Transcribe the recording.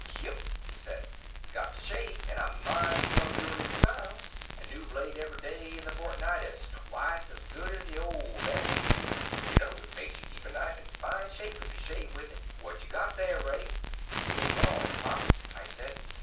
"Yep," he said. "Got to shave and I might as well do it in style. A new blade every day in the fortnight is twice as good as the old ads. You know, it makes you keep a knife in fine shape if you shave with it. What you got there, Ray?" "You were wrong, Pop," I said.